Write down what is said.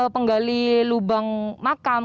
penggali lubang makam